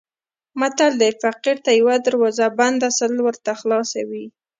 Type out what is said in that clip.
متل دی: فقیر ته یوه دروازه بنده سل ورته خلاصې وي.